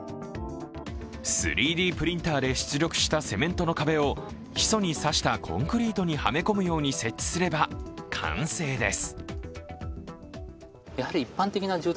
３Ｄプリンターで出力したセメントの壁を基礎にさしたコンクリートにはめ込むように設置すれば完成です。